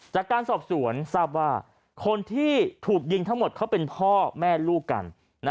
จากการสอบสวนทราบว่าคนที่ถูกยิงทั้งหมดเขาเป็นพ่อแม่ลูกกัน